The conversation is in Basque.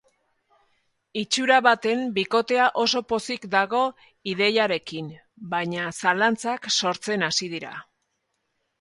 Itxura baten bikotea oso pozik dago ideiarekin, baina zalantzak sortzen hasi dira.